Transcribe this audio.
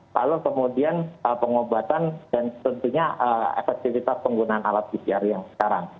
lalu kemudian pengobatan dan tentunya efektivitas penggunaan alat pcr yang sekarang